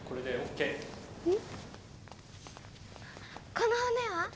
この骨は？